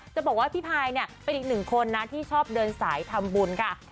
จะบอกว่าพี่พายเนี่ยเป็นอีกหนึ่งคนนะที่ชอบเดินสายทำบุญค่ะ